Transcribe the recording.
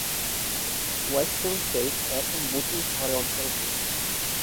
Westenfeld এখন বোচাম শহরের অন্তর্ভুক্ত।